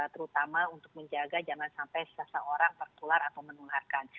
terutama untuk menjaga jangan sampai seseorang tertular atau menularkan